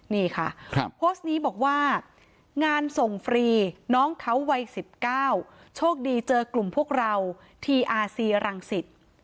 นี่ค่ะโพสต์นี้บอกว่างานส่งฟรีน้องเขาวัย๑๙โชคดีเจอกลุ่มพวกเราทีอาซีรังสิต